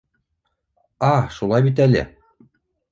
Аһ, шулай бит әле!